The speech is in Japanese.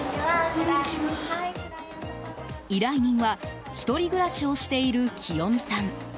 依頼人は１人暮らしをしているきよみさん。